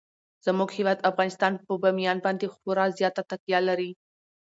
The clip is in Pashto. زموږ هیواد افغانستان په بامیان باندې خورا زیاته تکیه لري.